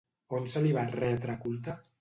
On se li va retre culte?